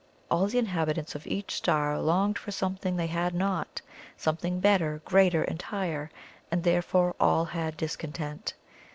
All the inhabitants of each star longed for something they had not something better, greater, and higher and therefore all had discontent.